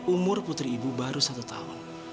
umur putri ibu baru satu tahun